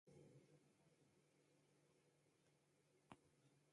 پیشگیری کننده